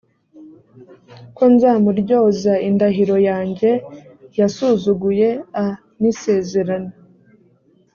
ko nzamuryoza indahiro yanjye yasuzuguye a n isezerano